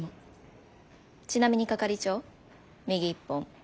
ちなみに係長右１本左２本。え？